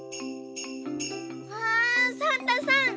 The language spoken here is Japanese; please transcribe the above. うわサンタさん